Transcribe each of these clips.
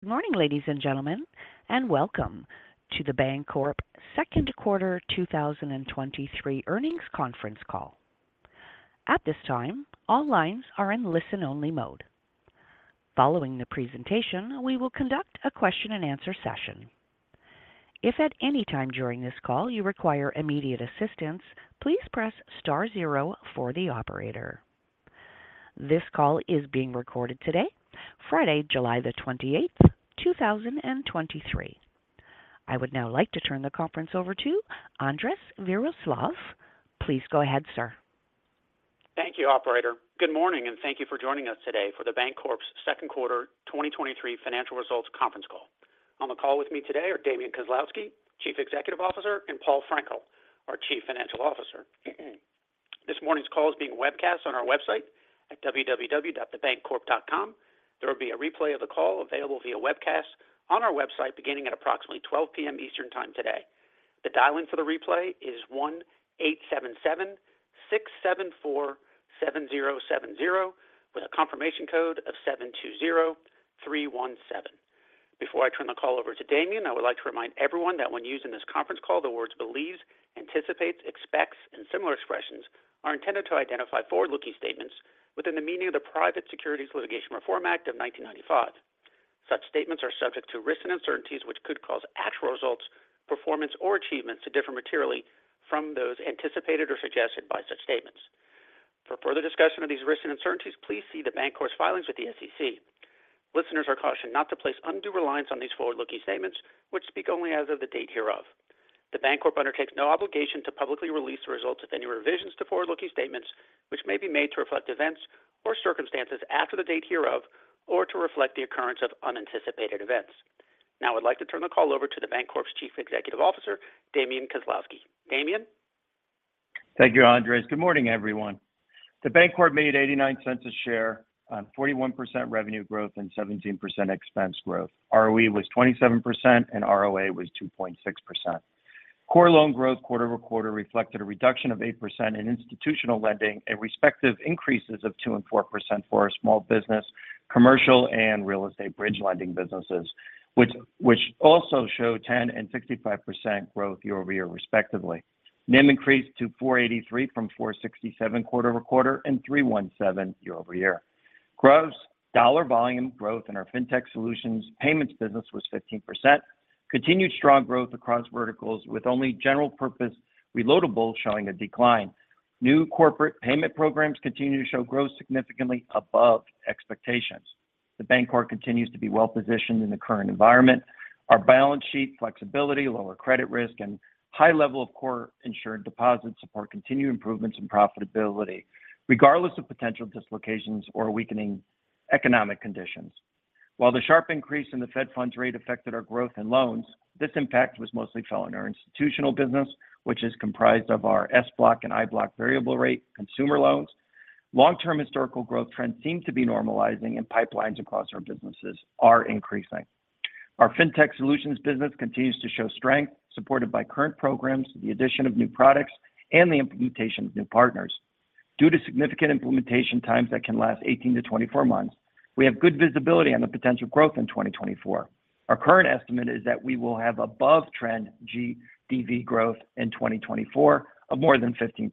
Good morning, ladies and gentlemen, and welcome to The Bancorp second quarter 2023 earnings conference call. At this time, all lines are in listen-only mode. Following the presentation, we will conduct a question and answer session. If at any time during this call you require immediate assistance, please press star zero for the operator. This call is being recorded today, Friday, July the 28th, 2023. I would now like to turn the conference over to Andres Viroslav. Please go ahead, sir. Thank you, operator. Good morning, and thank you for joining us today for The Bancorp's second quarter 2023 financial results conference call. On the call with me today are Damian Kozlowski, Chief Executive Officer, and Paul Frenkiel, our Chief Financial Officer. This morning's call is being webcast on our website at www.thebancorp.com. There will be a replay of the call available via webcast on our website, beginning at approximately 12:00 P.M. Eastern Time today. The dial-in for the replay is 1-877-674-7070, with a confirmation code of 720317. Before I turn the call over to Damian, I would like to remind everyone that when used in this conference call, the words believes, anticipates, expects, and similar expressions are intended to identify forward-looking statements within the meaning of the Private Securities Litigation Reform Act of 1995. Such statements are subject to risks and uncertainties, which could cause actual results, performance, or achievements to differ materially from those anticipated or suggested by such statements. For further discussion of these risks and uncertainties, please see The Bancorp's filings with the SEC. Listeners are cautioned not to place undue reliance on these forward-looking statements, which speak only as of the date hereof. The Bancorp undertakes no obligation to publicly release the results of any revisions to forward-looking statements, which may be made to reflect events or circumstances after the date hereof, or to reflect the occurrence of unanticipated events. Now, I'd like to turn the call over to The Bancorp's Chief Executive Officer, Damian Kozlowski. Damian? Thank you, Andres. Good morning, everyone. The Bancorp made $0.89 a share on 41% revenue growth and 17% expense growth. ROE was 27% and ROA was 2.6%. Core loan growth quarter-over-quarter reflected a reduction of 8% in institutional lending and respective increases of 2% and 4% for our small business, commercial, and real estate bridge lending businesses, which also show 10% and 65% growth year-over-year, respectively. NIM increased to 4.83 from 4.67 quarter-over-quarter and 3.17 year-over-year. gross dollar volume growth in our Fintech Solutions payments business was 15%. Continued strong growth across verticals, with only general purpose reloadable showing a decline. New corporate payment programs continue to show growth significantly above expectations. The Bancorp continues to be well-positioned in the current environment. Our balance sheet flexibility, lower credit risk, and high level of core insured deposits support continued improvements in profitability, regardless of potential dislocations or weakening economic conditions. While the sharp increase in the Fed Funds rate affected our growth in loans, this impact was mostly felt in our institutional business, which is comprised of our SBLOC and IBLOC variable rate consumer loans. Long-term historical growth trends seem to be normalizing, and pipelines across our businesses are increasing. Our Fintech Solutions business continues to show strength, supported by current programs, the addition of new products, and the implementation of new partners. Due to significant implementation times that can last 18-24 months, we have good visibility on the potential growth in 2024. Our current estimate is that we will have above-trend GDV growth in 2024 of more than 15%.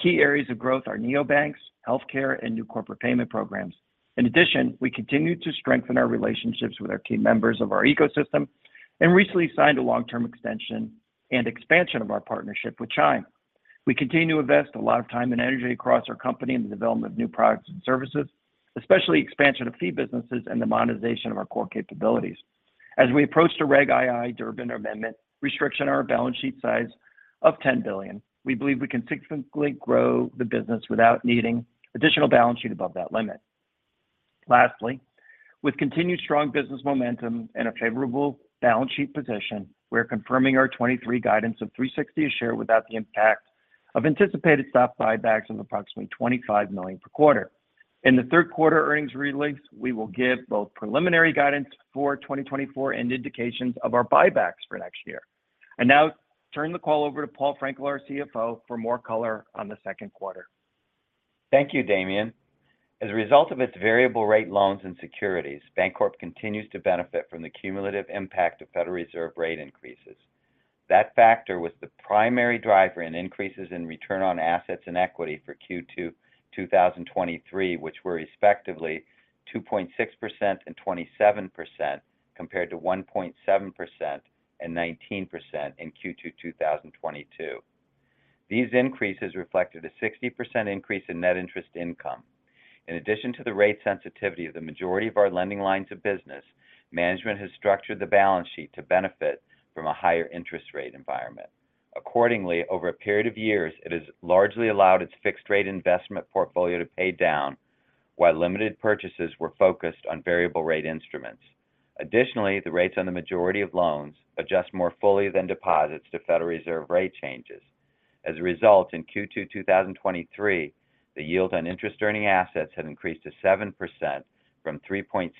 Key areas of growth are neobanks, healthcare, and new corporate payment programs. In addition, we continue to strengthen our relationships with our key members of our ecosystem and recently signed a long-term extension and expansion of our partnership with Chime. We continue to invest a lot of time and energy across our company in the development of new products and services, especially expansion of fee businesses and the monetization of our core capabilities. As we approach the Reg II Durbin Amendment, restriction our balance sheet size of $10 billion, we believe we can significantly grow the business without needing additional balance sheet above that limit. Lastly, with continued strong business momentum and a favorable balance sheet position, we are confirming our 2023 guidance of $3.60 a share, without the impact of anticipated stock buybacks of approximately $25 million per quarter. In the third quarter earnings release, we will give both preliminary guidance for 2024 and indications of our buybacks for next year. I now turn the call over to Paul Frenkiel, our CFO, for more color on the second quarter. Thank you, Damian. As a result of its variable rate loans and securities, The Bancorp continues to benefit from the cumulative impact of Federal Reserve rate increases. That factor was the primary driver in increases in return on assets and equity for Q2 2023, which were respectively 2.6% and 27%, compared to 1.7% and 19% in Q2 2022. These increases reflected a 60% increase in net interest income. In addition to the rate sensitivity of the majority of our lending lines of business, management has structured the balance sheet to benefit from a higher interest rate environment. Accordingly, over a period of years, it has largely allowed its fixed rate investment portfolio to pay down, while limited purchases were focused on variable rate instruments. Additionally, the rates on the majority of loans adjust more fully than deposits to Federal Reserve rate changes. As a result, in Q2 2023, the yield on interest-earning assets had increased to 7% from 3.6%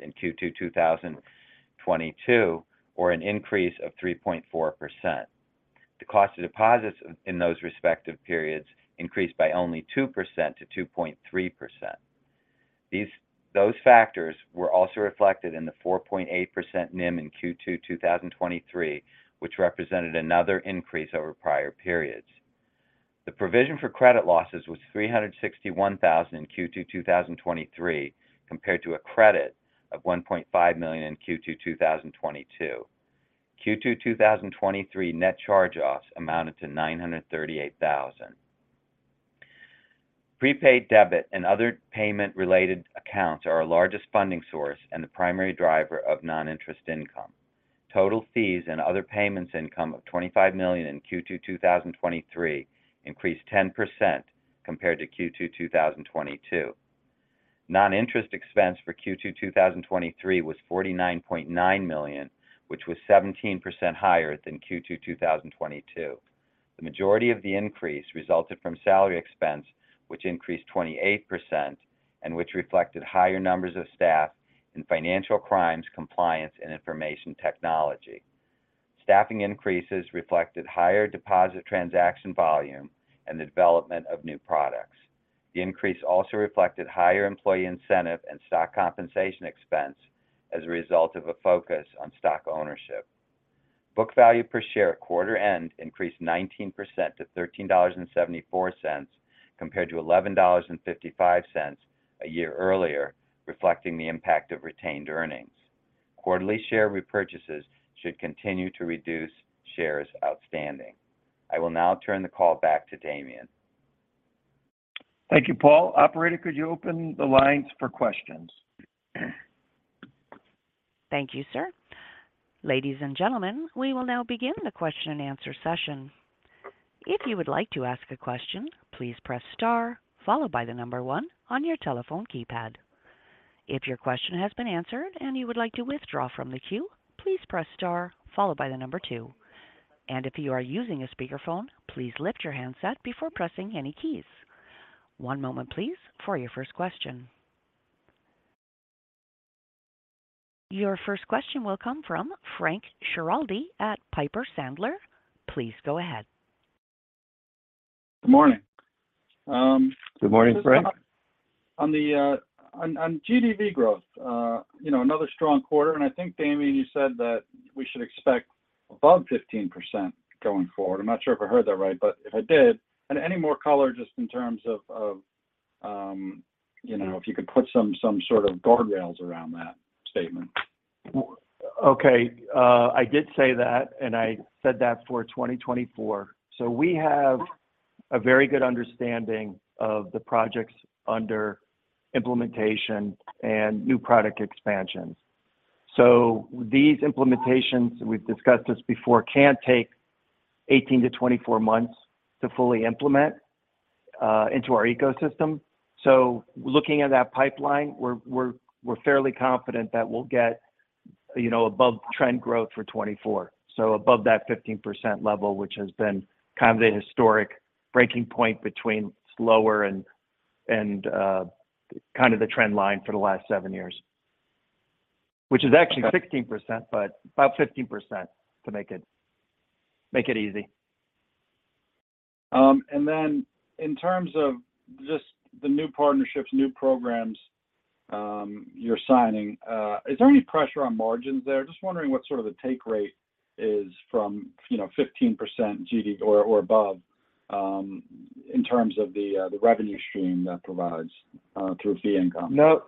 in Q2 2022, or an increase of 3.4%. The cost of deposits in those respective periods increased by only 2%-2.3%. Those factors were also reflected in the 4.8% NIM in Q2 2023, which represented another increase over prior periods. The provision for credit losses was $361,000 in Q2 2023, compared to a credit of $1.5 million in Q2 2022. Q2 2023 net charge-offs amounted to $938,000. Prepaid debit and other payment-related accounts are our largest funding source and the primary driver of non-interest income. Total fees and other payments income of $25 million in Q2 2023 increased 10% compared to Q2 2022. Non-interest expense for Q2 2023 was $49.9 million, which was 17% higher than Q2 2022. The majority of the increase resulted from salary expense, which increased 28% and which reflected higher numbers of staff in financial crimes, compliance, and information technology. Staffing increases reflected higher deposit transaction volume and the development of new products. The increase also reflected higher employee incentive and stock compensation expense as a result of a focus on stock ownership. Book value per share at quarter end increased 19% to $13.74, compared to $11.55 a year earlier, reflecting the impact of retained earnings. Quarterly share repurchases should continue to reduce shares outstanding. I will now turn the call back to Damian. Thank you, Paul. Operator, could you open the lines for questions? Thank you, sir. Ladies and gentlemen, we will now begin the question and answer session. If you would like to ask a question, please press star followed by number one on your telephone keypad. If your question has been answered and you would like to withdraw from the queue, please press star followed by number two. If you are using a speakerphone, please lift your handset before pressing any keys. One moment, please, for your first question. Your first question will come from Frank Schiraldi at Piper Sandler. Please go ahead. Good morning. Good morning, Frank. On the, on, on GDV growth, you know, another strong quarter, and I think, Damian, you said that we should expect above 15% going forward. I'm not sure if I heard that right, but if I did, and any more color just in terms of, of, you know, if you could put some, some sort of guardrails around that statement? I did say that, and I said that for 2024. We have a very good understanding of the projects under implementation and new product expansions. These implementations, we've discussed this before, can take 18-24 months to fully implement into our ecosystem. Looking at that pipeline, we're, we're, we're fairly confident that we'll get, you know, above trend growth for 2024. Above that 15% level, which has been kind of the historic breaking point between slower and, and, kind of the trend line for the last seven years. Which is actually 16%, but about 15% to make it, make it easy. Then in terms of just the new partnerships, new programs, you're signing, is there any pressure on margins there? Just wondering what sort of the take rate is from, you know, 15% GDV or above, in terms of the revenue stream that provides through fee income. No.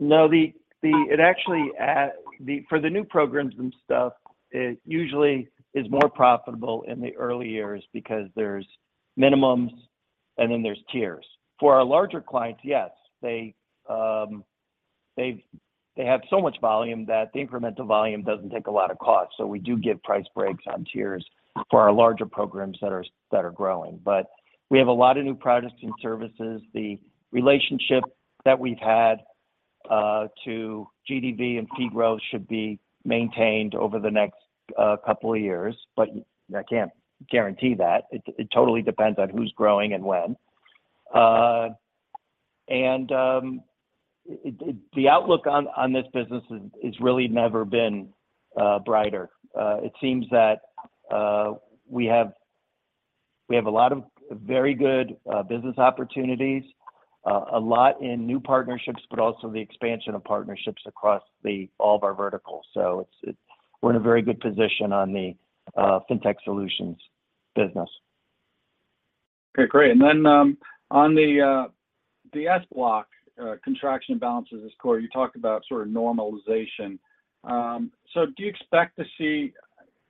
No, the, the... It actually, the for the new programs and stuff, it usually is more profitable in the early years because there's minimums and then there's tiers. For our larger clients, yes, they have so much volume that the incremental volume doesn't take a lot of cost, so we do give price breaks on tiers for our larger programs that are growing. We have a lot of new products and services. The relationship that we've had to GDV and fee growth should be maintained over the next couple years, but I can't guarantee that. It, it totally depends on who's growing and when. The outlook on this business is really never been brighter. It seems that we have, we have a lot of very good business opportunities, a lot in new partnerships, but also the expansion of partnerships across the, all of our verticals. It's, we're in a very good position on the Fintech Solutions business. Okay, great. On the SBLOC contraction balances this quarter, you talked about sort of normalization. Do you expect to see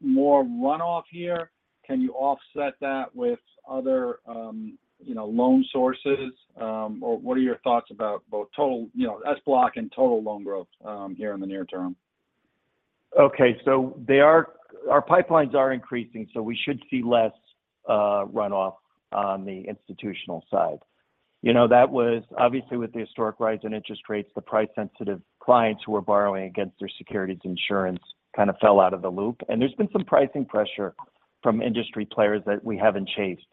more runoff here? Can you offset that with other, you know, loan sources? What are your thoughts about both total, you know, SBLOC and total loan growth here in the near term? Okay. They are-- our pipelines are increasing, so we should see less runoff on the institutional side. You know, that was obviously with the historic rise in interest rates, the price-sensitive clients who were borrowing against their securities insurance kind of fell out of the loop. There's been some pricing pressure from industry players that we haven't chased.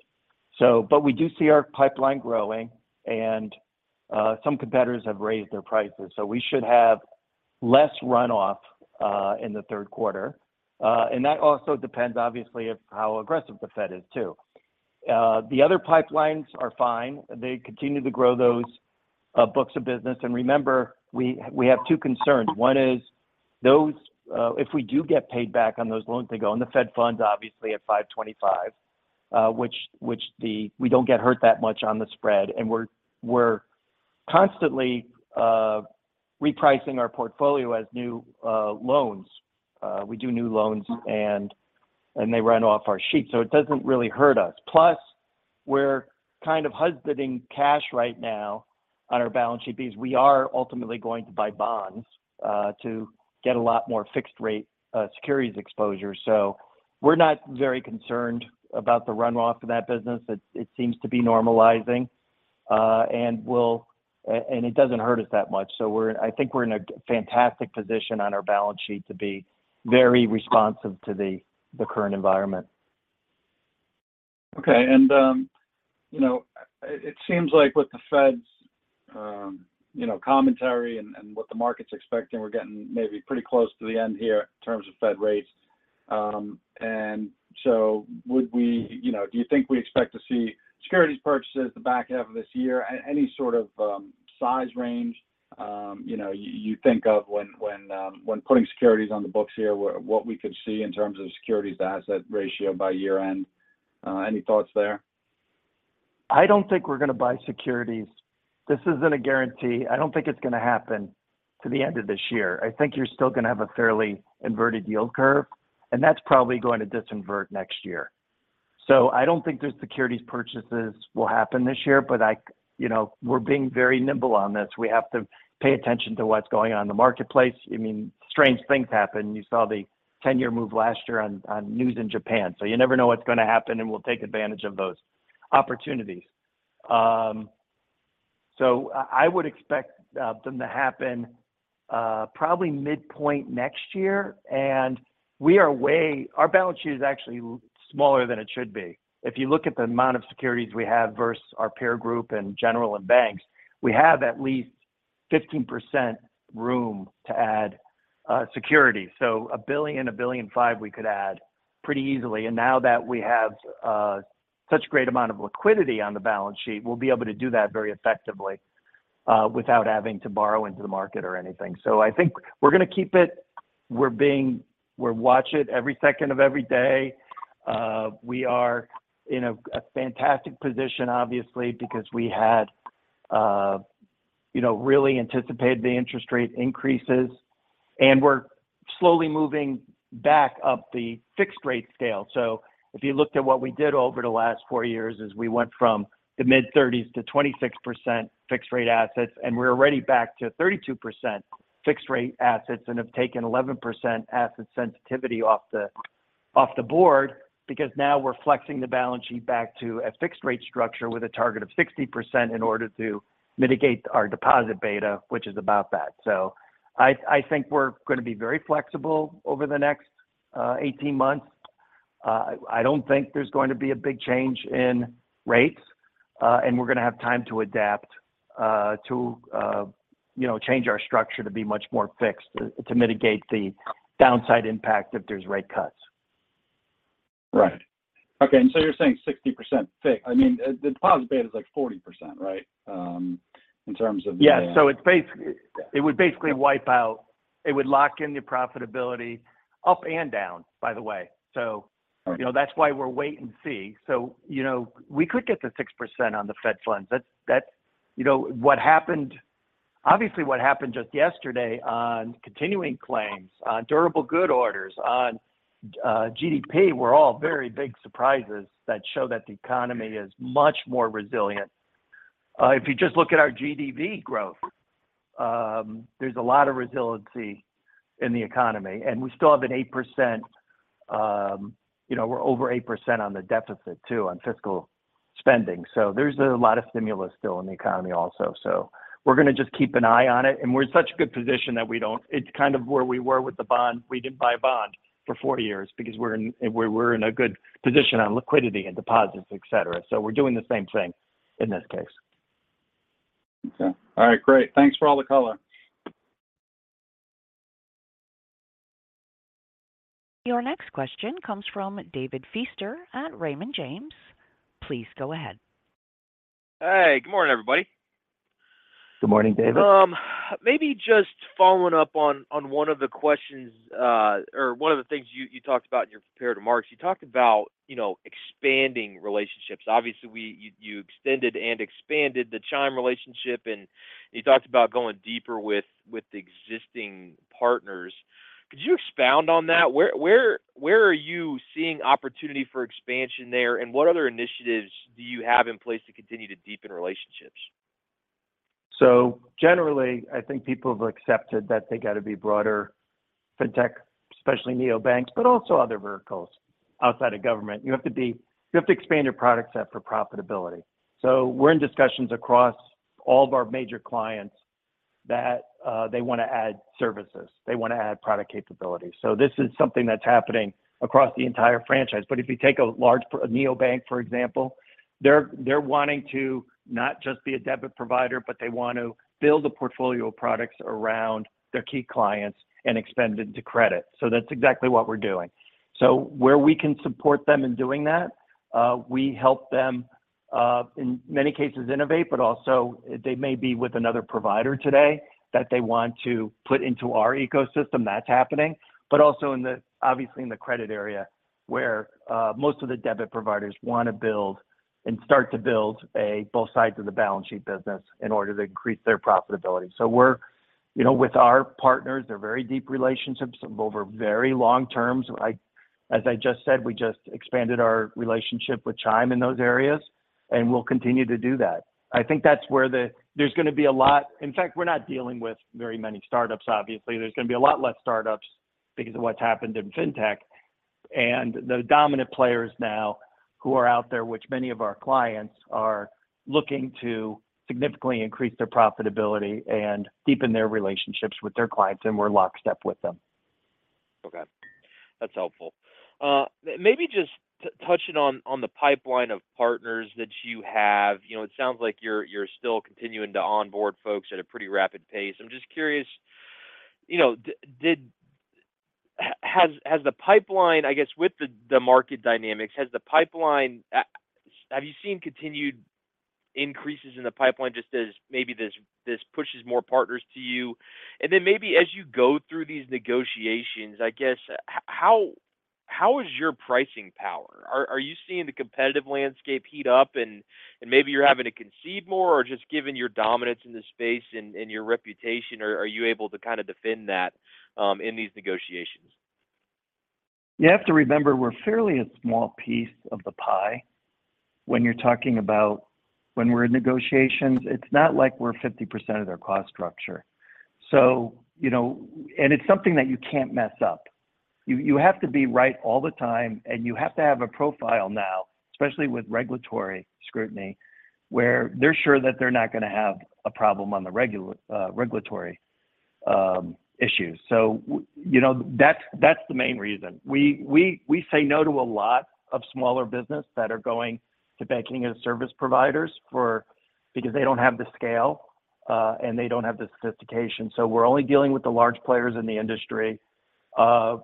We do see our pipeline growing, and some competitors have raised their prices. We should have less runoff in the third quarter. That also depends, obviously, of how aggressive the Fed is, too. The other pipelines are fine. They continue to grow those books of business. Remember, we, we have two concerns. One is those, if we do get paid back on those loans, they go on the Fed Funds, obviously, at 5.25%, which, which we don't get hurt that much on the spread. We're, we're constantly repricing our portfolio as new loans. We do new loans, and, and they run off our sheet, so it doesn't really hurt us. Plus, we're kind of husbanding cash right now on our balance sheet because we are ultimately going to buy bonds to get a lot more fixed-rate securities exposure. We're not very concerned about the runoff of that business. It, it seems to be normalizing, and it doesn't hurt us that much. I think we're in a fantastic position on our balance sheet to be very responsive to the, the current environment. Okay, you know, it, it seems like with the Fed's, you know, commentary and what the market's expecting, we're getting maybe pretty close to the end here in terms of Fed rates. So would we, you know, do you think we expect to see securities purchases the back half of this year? Any sort of size range, you know, you think of when, when putting securities on the books here, what, what we could see in terms of securities asset ratio by year-end? Any thoughts there? I don't think we're gonna buy securities. This isn't a guarantee. I don't think it's gonna happen to the end of this year. I think you're still gonna have a fairly inverted yield curve, and that's probably going to disinvert next year. I don't think there's securities purchases will happen this year, but I, you know, we're being very nimble on this. We have to pay attention to what's going on in the marketplace. I mean, strange things happen. You saw the 10-year move last year on, on news in Japan. You never know what's gonna happen, and we'll take advantage of those opportunities. I, I would expect them to happen, probably midpoint next year, and our balance sheet is actually smaller than it should be. If you look at the amount of securities we have versus our peer group in general and banks, we have at least 15% room to add, security. A $1 billion, $1.5 billion we could add pretty easily. Now that we have, such great amount of liquidity on the balance sheet, we'll be able to do that very effectively, without having to borrow into the market or anything. I think we're gonna keep it. We're watch it every second of every day. We are in a fantastic position, obviously, because we had, you know, really anticipated the interest rate increases, and we're slowly moving back up the fixed rate scale. If you looked at what we did over the last four years, is we went from the mid 30s% to 26% fixed rate assets, and we're already back to 32% fixed rate assets and have taken 11% asset sensitivity off the, off the board, because now we're flexing the balance sheet back to a fixed rate structure with a target of 60% in order to mitigate our deposit beta, which is about that. I, I think we're gonna be very flexible over the next 18 months. I don't think there's going to be a big change in rates, and we're gonna have time to adapt to, you know, change our structure to be much more fixed, to, to mitigate the downside impact if there's rate cuts. Right. Okay, so you're saying 60% fixed. I mean, the, the deposit beta is, like, 40%, right? In terms of the- Yeah, it would basically wipe out. It would lock in your profitability up and down, by the way. Right You know, that's why we're wait and see. You know, we could get to 6% on the Fed Funds. That's, that's, you know, what happened, obviously, what happened just yesterday on continuing claims, on durable goods orders, on GDP, were all very big surprises that show that the economy is much more resilient. If you just look at our GDV growth, there's a lot of resiliency in the economy, and we still have an 8%. You know, we're over 8% on the deficit, too, on fiscal spending. There's a lot of stimulus still in the economy also. We're gonna just keep an eye on it, and we're in such a good position that we don't, it's kind of where we were with the bond. We didn't buy a bond for four years because we're in, we're, we're in a good position on liquidity and deposits, et cetera. We're doing the same thing in this case. Okay. All right, great. Thanks for all the color. Your next question comes from David Feaster at Raymond James. Please go ahead. Hey, good morning, everybody. Good morning, David. Maybe just following up on, on one of the questions, or one of the things you, you talked about in your prepared remarks. You talked about, you know, expanding relationships. Obviously, you, you extended and expanded the Chime relationship, and you talked about going deeper with, with the existing partners. Could you expound on that? Where, where, where are you seeing opportunity for expansion there, and what other initiatives do you have in place to continue to deepen relationships? Generally, I think people have accepted that they got to be broader fintech, especially neobanks, but also other verticals outside of government. You have to expand your product set for profitability. We're in discussions across all of our major clients. That they wanna add services, they wanna add product capabilities. This is something that's happening across the entire franchise. If you take a large a neobank, for example, they're, they're wanting to not just be a debit provider, but they want to build a portfolio of products around their key clients and expand it to credit. That's exactly what we're doing. Where we can support them in doing that, we help them in many cases innovate, but also they may be with another provider today that they want to put into our ecosystem. That's happening. But also in the obviously, in the credit area, where most of the debit providers wanna build and start to build a both sides of the balance sheet business in order to increase their profitability. we're, you know, with our partners, they're very deep relationships over very long terms. As I just said, we just expanded our relationship with Chime in those areas, and we'll continue to do that. I think that's where there's gonna be a lot. In fact, we're not dealing with very many startups, obviously. There's gonna be a lot less startups because of what's happened in Fintech. The dominant players now who are out there, which many of our clients, are looking to significantly increase their profitability and deepen their relationships with their clients, and we're lockstep with them. Okay, that's helpful. Maybe just touching on, on the pipeline of partners that you have. You know, it sounds like you're, you're still continuing to onboard folks at a pretty rapid pace. I'm just curious, you know, has, has the pipeline. I guess, with the, the market dynamics, has the pipeline, have you seen continued increases in the pipeline just as maybe this, this pushes more partners to you? Maybe as you go through these negotiations, I guess, how, how is your pricing power? Are, are you seeing the competitive landscape heat up, and, and maybe you're having to concede more, or just given your dominance in this space and, and your reputation, are, are you able to kinda defend that in these negotiations? You have to remember, we're fairly a small piece of the pie when you're talking about when we're in negotiations, it's not like we're 50% of their cost structure. You know, and it's something that you can't mess up. You have to be right all the time, and you have to have a profile now, especially with regulatory scrutiny, where they're sure that they're not gonna have a problem on the regulatory issues. You know, that's, that's the main reason. We say no to a lot of smaller business that are going to Banking as a Service providers because they don't have the scale, and they don't have the sophistication. We're only dealing with the large players in the industry. I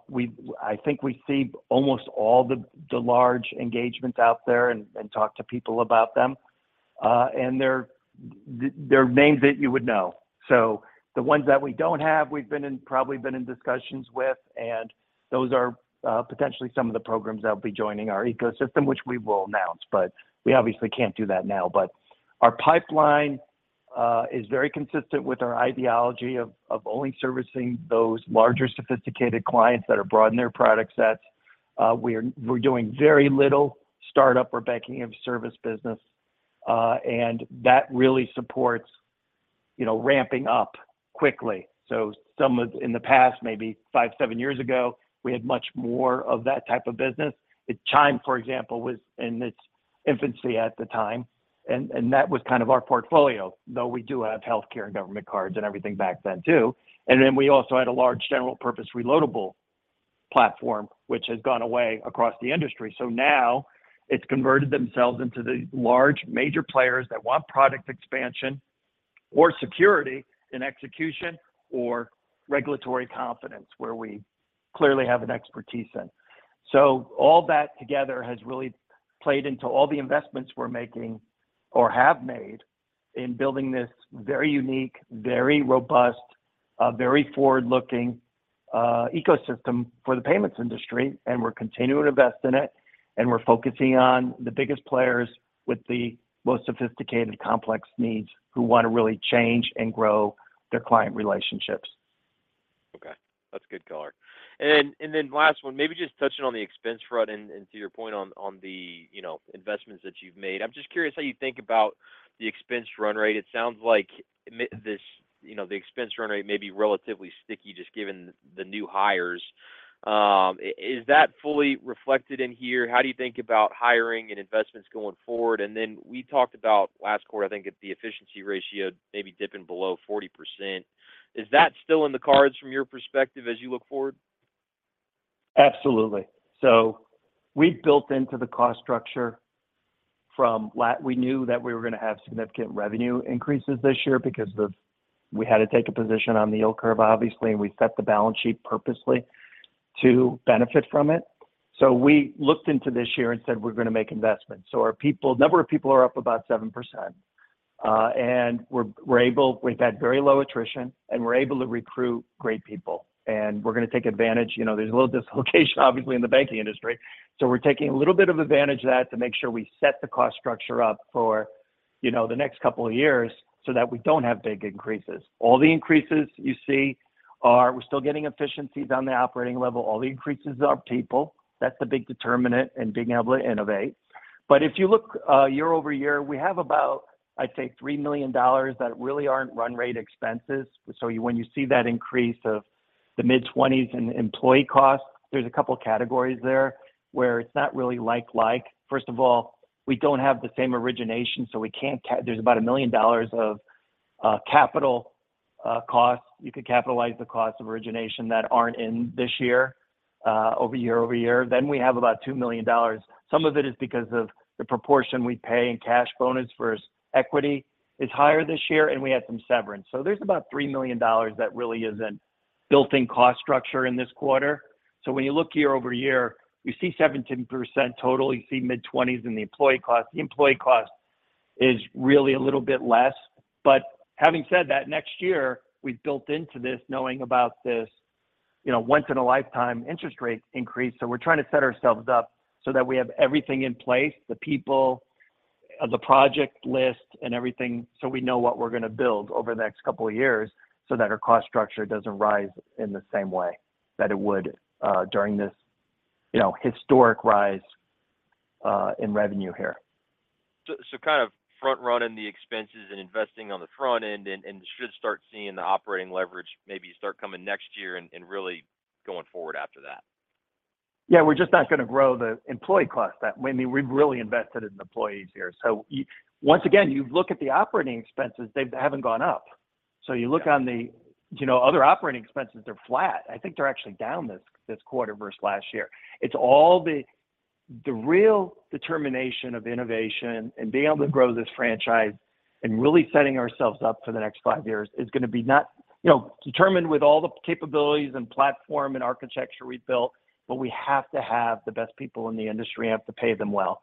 think we see almost all the, the large engagements out there and talk to people about them. They're, they're names that you would know. The ones that we don't have, we've been in- probably been in discussions with, and those are potentially some of the programs that will be joining our ecosystem, which we will announce, but we obviously can't do that now. Our pipeline is very consistent with our ideology of only servicing those larger, sophisticated clients that are broadening their product sets. We're doing very little startup or Banking as a Service business, and that really supports, you know, ramping up quickly. Some of- in the past, maybe five, seven years ago, we had much more of that type of business. Chime, for example, was in its infancy at the time, and that was kind of our portfolio, though we do have healthcare and government cards and everything back then, too. Then we also had a large general purpose reloadable platform, which has gone away across the industry. Now it's converted themselves into the large major players that want product expansion or security in execution or regulatory confidence, where we clearly have an expertise in. All that together has really played into all the investments we're making or have made in building this very unique, very robust, very forward-looking ecosystem for the payments industry, and we're continuing to invest in it. We're focusing on the biggest players with the most sophisticated, complex needs, who wanna really change and grow their client relationships. Okay. That's a good color. Then, and then last one, maybe just touching on the expense front and, and to your point on, on the, you know, investments that you've made. I'm just curious how you think about the expense run rate. It sounds like this, you know, the expense run rate may be relatively sticky, just given the new hires. Is that fully reflected in here? How do you think about hiring and investments going forward? Then we talked about last quarter, I think, it, the efficiency ratio maybe dipping below 40%. Is that still in the cards from your perspective as you look forward? Absolutely. We've built into the cost structure from we knew that we were gonna have significant revenue increases this year because we had to take a position on the yield curve, obviously, and we set the balance sheet purposely to benefit from it. We looked into this year and said, "We're gonna make investments." Our number of people are up about 7%. And we're, we're able we've had very low attrition, and we're able to recruit great people, and we're gonna take advantage. You know, there's a little dislocation, obviously, in the banking industry, so we're taking a little bit of advantage of that to make sure we set the cost structure up for, you know, the next couple of years so that we don't have big increases. All the increases you see are. We're still getting efficiencies on the operating level. All the increases are people. That's the big determinant in being able to innovate. If you look, year-over-year, we have about, I'd say, $3 million that really aren't run rate expenses. When you see that increase the mid-20s% in employee costs. There's a couple categories there where it's not really like. First of all, we don't have the same origination, so we can't There's about $1 million of capital costs. You could capitalize the costs of origination that aren't in this year, over year, over year. We have about $2 million. Some of it is because of the proportion we pay in cash bonus versus equity is higher this year, and we had some severance. There's about $3 million that really isn't built-in cost structure in this quarter. When you look year-over-year, you see 17% total, you see mid-20s% in the employee cost. The employee cost is really a little bit less. Having said that, next year, we've built into this, knowing about this, you know, once-in-a-lifetime interest rate increase. We're trying to set ourselves up so that we have everything in place, the people, the project list, and everything, so we know what we're gonna build over the next couple of years, so that our cost structure doesn't rise in the same way that it would during this, you know, historic rise in revenue here. Kind of front-running the expenses and investing on the front end and should start seeing the operating leverage maybe start coming next year and really going forward after that. Yeah, we're just not gonna grow the employee cost that I mean, we've really invested in employees here. Once again, you look at the operating expenses, they haven't gone up. You look on the, you know, other operating expenses, they're flat. I think they're actually down this, this quarter versus last year. It's all the, the real determination of innovation and being able to grow this franchise and really setting ourselves up for the next five years is gonna be not, you know, determined with all the capabilities and platform and architecture we've built, but we have to have the best people in the industry, and we have to pay them well.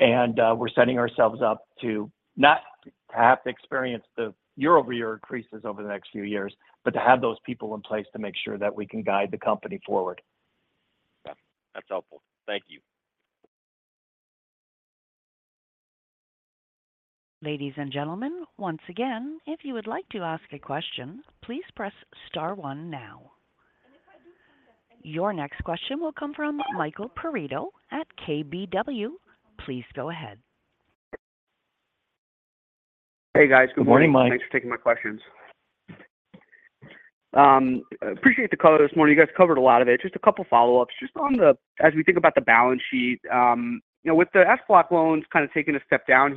We're setting ourselves up to not have to experience the year-over-year increases over the next few years, but to have those people in place to make sure that we can guide the company forward. Yeah, that's helpful. Thank you. Ladies and gentlemen, once again, if you would like to ask a question, please press star 1 now. Your next question will come from Michael Perito at KBW. Please go ahead. Hey, guys. Good morning. Good morning, Mike. Thanks for taking my questions. Appreciate the call this morning. You guys covered a lot of it. Just a couple follow-ups. Just on the as we think about the balance sheet, you know, with the SBLOC loans kind of taking a step down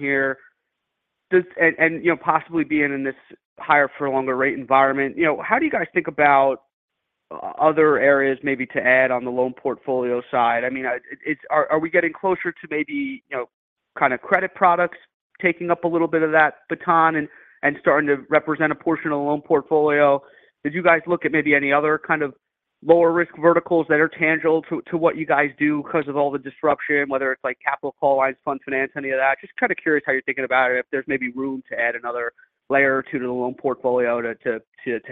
here, and, and, you know, possibly being in this higher-for-longer rate environment, you know, how do you guys think about other areas maybe to add on the loan portfolio side? I mean, are, are we getting closer to maybe, you know, kind of credit products taking up a little bit of that baton and, and starting to represent a portion of the loan portfolio? Did you guys look at maybe any other kind of lower-risk verticals that are tangible to, to what you guys do because of all the disruption, whether it's like capital call, lines of fund finance, any of that? Just kind of curious how you're thinking about it, if there's maybe room to add another layer or two to the loan portfolio to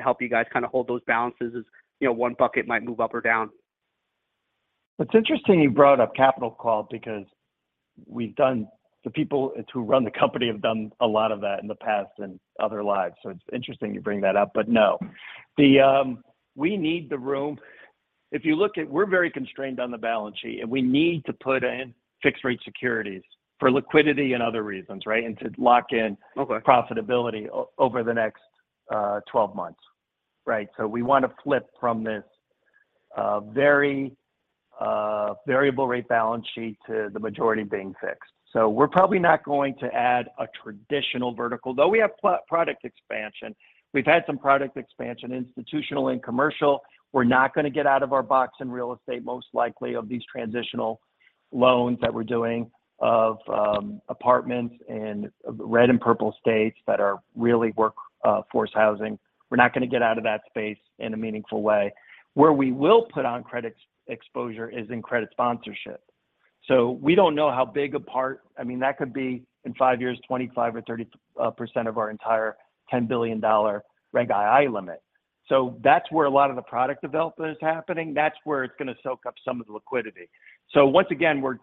help you guys kind of hold those balances as, you know, one bucket might move up or down. It's interesting you brought up capital call because we've done, the people who run the company have done a lot of that in the past and other lives. It's interesting you bring that up. No. We need the room. If you look at, we're very constrained on the balance sheet, and we need to put in fixed rate securities for liquidity and other reasons, right? To lock in- Okay Profitability over the next 12 months, right? We want to flip from this very variable rate balance sheet to the majority being fixed. We're probably not going to add a traditional vertical, though we have product expansion. We've had some product expansion, institutional and commercial. We're not gonna get out of our box in real estate, most likely, of these transitional loans that we're doing of apartments in red and purple states that are really work force housing. We're not gonna get out of that space in a meaningful way. Where we will put on credit exposure is in credit sponsorship. We don't know how big a part-- I mean, that could be, in five years, 25% or 30% of our entire $10 billion Reg II limit. That's where a lot of the product development is happening. That's where it's gonna soak up some of the liquidity. Once again, we're,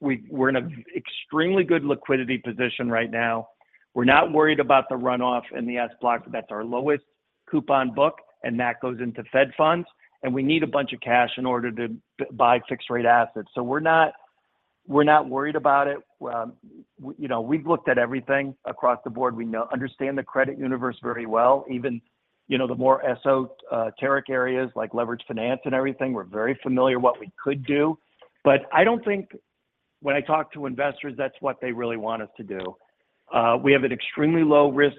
we're in a extremely good liquidity position right now. We're not worried about the runoff and the SBLOC. That's our lowest coupon book, and that goes into Fed funds, and we need a bunch of cash in order to buy fixed-rate assets. We're not, we're not worried about it. You know, we've looked at everything across the board. We understand the credit universe very well, even, you know, the more esoteric areas like leverage finance and everything. We're very familiar what we could do, but I don't think when I talk to investors, that's what they really want us to do. We have an extremely low risk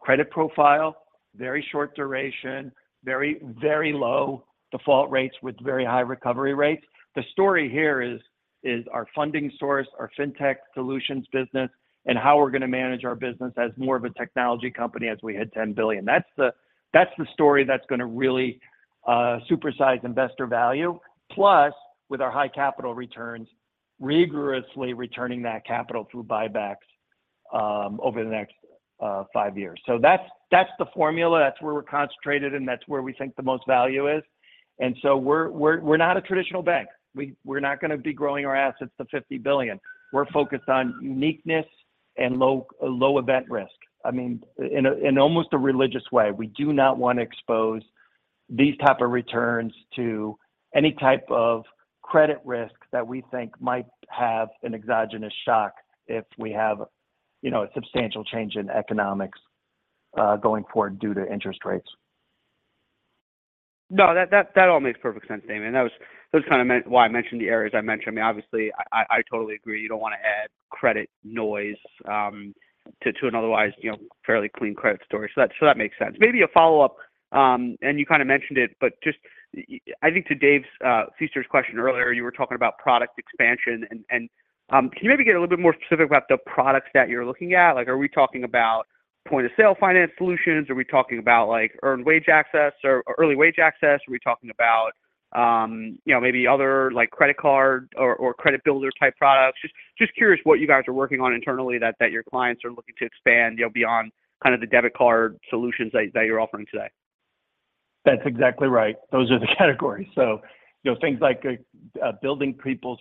credit profile, very short duration, very, very low default rates with very high recovery rates. The story here is, is our funding source, our Fintech Solutions business, and how we're gonna manage our business as more of a technology company as we hit $10 billion. That's the, that's the story that's gonna really supersize investor value, plus with our high capital returns, rigorously returning that capital through buybacks over the next five years. That's, that's the formula, that's where we're concentrated, and that's where we think the most value is. We're, we're, we're not a traditional bank. We're not gonna be growing our assets to $50 billion. We're focused on uniqueness and low, low event risk. I mean, in almost a religious way, we do not want to expose these type of returns to any type of credit risk that we think might have an exogenous shock if we have, you know, a substantial change in economics going forward due to interest rates. No, that, that, that all makes perfect sense, Damian. That was, that was kind of why I mentioned the areas I mentioned. I mean, obviously, I totally agree, you don't wanna add credit noise to, to an otherwise, you know, fairly clean credit story. That, so that makes sense. Maybe a follow-up, and you kind of mentioned it, but just I think to Dave's Feaster's question earlier, you were talking about product expansion and, and, can you maybe get a little bit more specific about the products that you're looking at? Like, are we talking about point-of-sale finance solutions? Are we talking about, like, earned wage access or early wage access? Are we talking about, you know, maybe other like credit card or, or credit builder-type products? Just, just curious what you guys are working on internally that, that your clients are looking to expand, you know, beyond kind of the debit card solutions that, that you're offering today? That's exactly right. Those are the categories. You know, things like building people's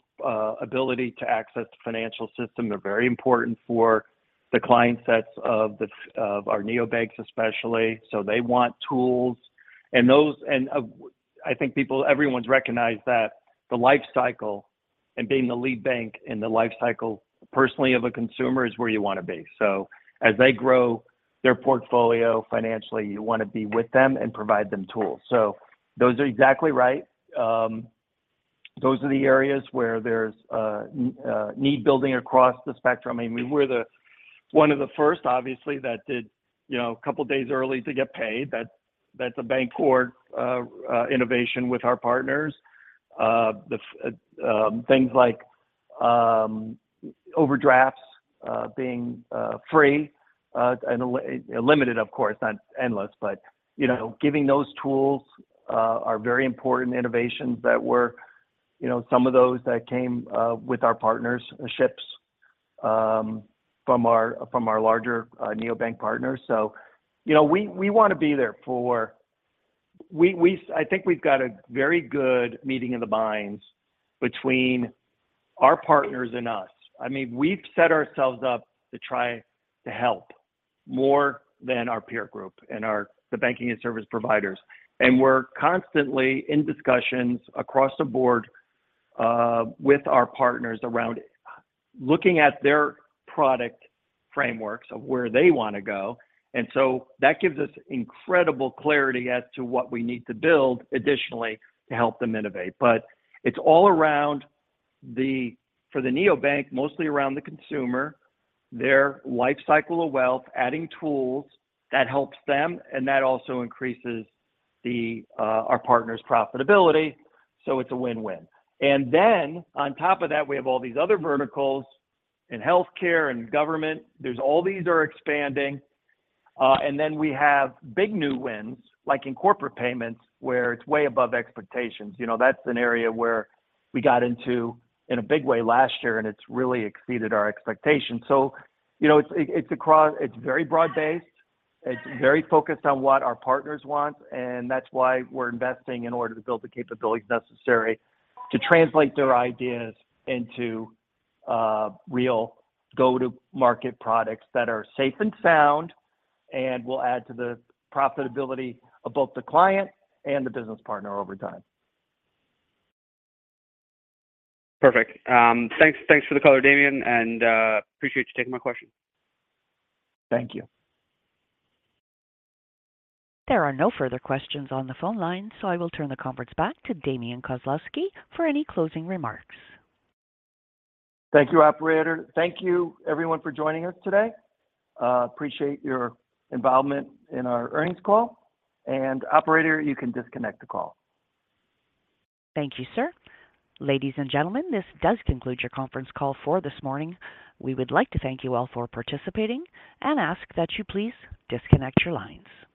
ability to access the financial system are very important for the client sets of our neobanks especially. They want tools. Those. I think everyone's recognized that the life cycle and being the lead bank in the life cycle, personally of a consumer, is where you wanna be. As they grow their portfolio financially, you wanna be with them and provide them tools. Those are exactly right. Those are the areas where there's need building across the spectrum. I mean, we were the, one of the first, obviously, that did, you know, a couple of days early to get paid. That, that's a The Bancorp innovation with our partners. The things like overdrafts, being free, and limited, of course, not endless. You know, giving those tools are very important innovations that were, you know, some of those that came with our partnerships from our, from our larger neobank partners. You know, we, we wanna be there for. We, I think we've got a very good meeting of the minds between our partners and us. I mean, we've set ourselves up to try to help more than our the banking and service providers. We're constantly in discussions across the board with our partners around looking at their product frameworks of where they wanna go. That gives us incredible clarity as to what we need to build additionally to help them innovate. It's all around the- for the neobank, mostly around the consumer, their life cycle of wealth, adding tools that helps them, and that also increases the, our partner's profitability, so it's a win-win. Then on top of that, we have all these other verticals in healthcare and government. There's all these are expanding, and then we have big new wins, like in corporate payments, where it's way above expectations. You know, that's an area where we got into in a big way last year, and it's really exceeded our expectations. You know, it's, it's very broad-based, it's very focused on what our partners want, and that's why we're investing in order to build the capabilities necessary to translate their ideas into real go-to-market products that are safe and sound, and will add to the profitability of both the client and the business partner over time. Perfect. Thanks, thanks for the call, Damian, appreciate you taking my question. Thank you. There are no further questions on the phone line, so I will turn the conference back to Damian Kozlowski for any closing remarks. Thank you, operator. Thank you everyone for joining us today. Appreciate your involvement in our earnings call. Operator, you can disconnect the call. Thank you, sir. Ladies and gentlemen, this does conclude your conference call for this morning. We would like to thank you all for participating and ask that you please disconnect your lines.